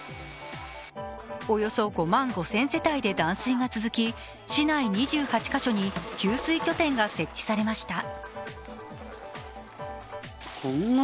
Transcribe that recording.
およそ５万５０００世帯で断水が続き、市内２８か所に給水拠点が設置されました。